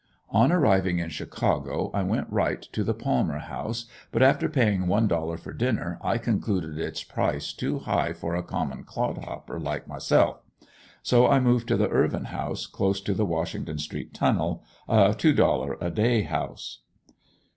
On arriving in Chicago, I went right to the Palmer house, but after paying one dollar for dinner I concluded its price too high for a common clod hopper like myself. So I moved to the Ervin House, close to the Washington Street tunnel, a two dollar a day house.